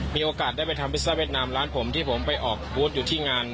มีโอกาสได้ไปทำพิซซ่าเวียดนามร้านผมที่ผมไปออกบูธอยู่ที่งาน